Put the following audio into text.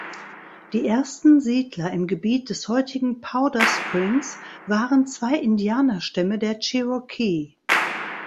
Die ersten Siedler im Gebiet des heutigen Powder Springs waren zwei Indianerstämme der Cherokee.